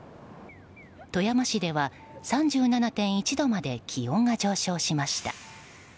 富山市では３７．１度まで気温が上昇しました。